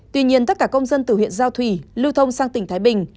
tuy nhiên tất cả công dân từ huyện giao thủy lưu thông sang tỉnh thái bình